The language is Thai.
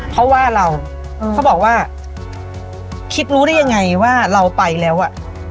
เขาว่าเราเขาบอกว่าคิดรู้ได้ยังไงว่าเราไปแล้วอ่ะ